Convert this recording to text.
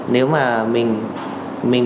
nếu mà mình